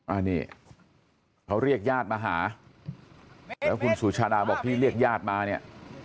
อันนี้เขาเรียกญาติมาหาแล้วคุณสุชาดาบอกที่เรียกญาติมาเนี่ย